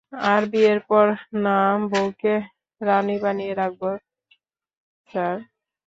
আর বিয়ের পর না, বৌকে রানি বানিয়ে রাখব, স্যার।